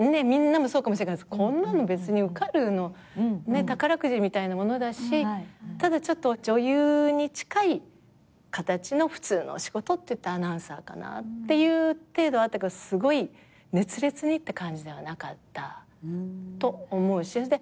みんなもそうかもしれないけどこんなの別に受かるの宝くじみたいなものだしただちょっと女優に近い形の普通のお仕事っていったらアナウンサーかなっていう程度はあったけどすごい熱烈にって感じではなかったと思うし。